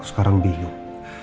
aku sekarang bingung